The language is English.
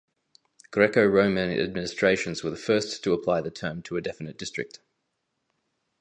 Greco-Roman administrations were the first to apply the term to a definite district.